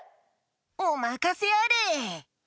おまかせあれ。